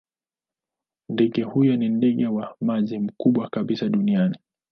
Ndege huyo ni ndege wa maji mkubwa kabisa duniani.